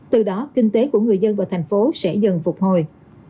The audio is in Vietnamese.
từ đó kinh tế của người dân và thành phố sẽ dần phục hồi